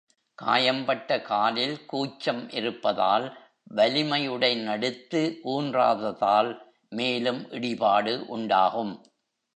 காயம்பட்ட காலில் கூச்சம் இருப்பதால் வலிமையுடன் எடுத்து ஊன்றாததால் மேலும் இடிபாடு உண்டாகும்.